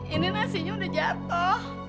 ini nasinya udah jatuh